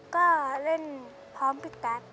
ก็เล่นพร้อมพี่กั๊ก